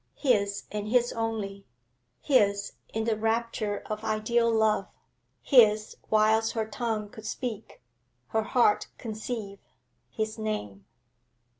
His and his only, his in the rapture of ideal love, his whilst her tongue could speak, her heart conceive, his name.